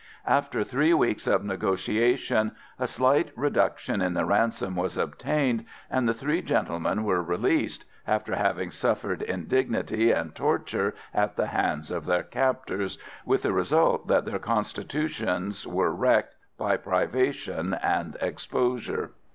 After three weeks of negotiation a slight reduction in the ransom was obtained, and the three gentlemen were released, after having suffered indignity and torture at the hands of their captors, with the result that their constitutions were wrecked by privation and exposure.